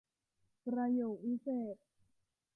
ประโยควิเศษณ์